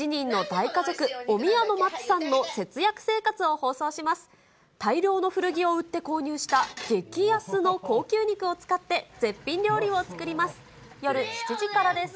大量の古着を売って購入した激安の高級肉を使って、絶品料理を作ります。